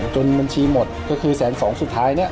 บัญชีหมดก็คือแสนสองสุดท้ายเนี่ย